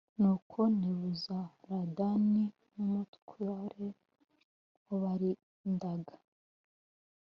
nuko nebuzaradani n umutware w abarindaga